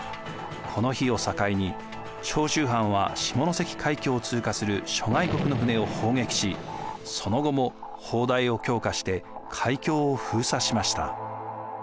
この日を境に長州藩は下関海峡を通過する諸外国の船を砲撃しその後も砲台を強化して海峡を封鎖しました。